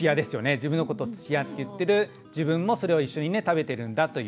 自分のことを土屋って言ってる自分もそれを一緒に食べてるんだという。